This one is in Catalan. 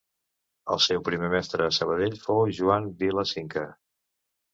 El seu primer mestre a Sabadell fou Joan Vila Cinca.